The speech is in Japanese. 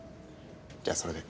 じゃあそれで。